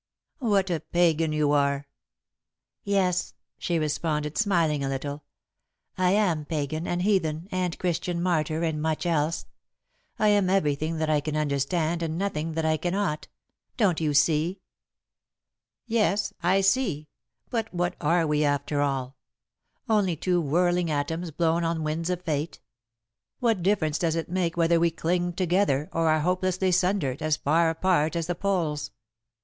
"What a pagan you are!" "Yes," she responded, smiling a little, "I am pagan and heathen and Christian martyr and much else. I am everything that I can understand and nothing that I cannot. Don't you see?" "Yes, I see, but what are we after all? Only two whirling atoms, blown on winds of Fate. What difference does it make whether we cling together, or are hopelessly sundered, as far apart as the poles?"